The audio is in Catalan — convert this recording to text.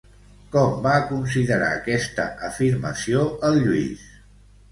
Com va considerar aquesta afirmació el Lluís?